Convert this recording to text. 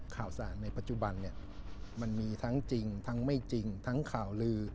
ข่าวสารในปัจจุบันเนี่ยมันมีทั้งจริงทั้งไม่จริงทั้งข่าวลือ